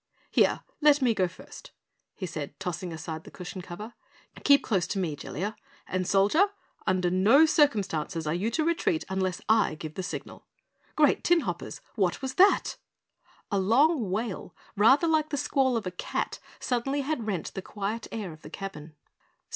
"Here, let me go first," he said, tossing aside the cushion cover. "Keep close to me, Jellia, and Soldier under no circumstances are you to retreat unless I give the signal. Great Tinhoppers, what was that?" A long wail rather like the squall of a cat suddenly had rent the quiet air of the cabin.